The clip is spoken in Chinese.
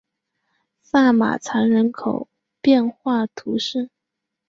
萨马藏人口变化图示